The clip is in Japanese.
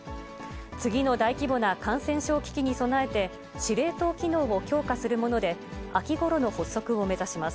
次の大規模な感染症危機に備えて、司令塔機能を強化するもので、秋ごろの発足を目指します。